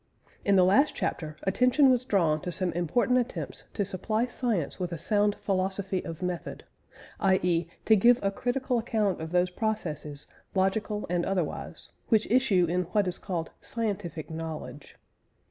In the last chapter, attention was drawn to some important attempts to supply science with a sound philosophy of method, i.e. to give a critical account of those processes, logical and otherwise, which issue in what is called "scientific knowledge."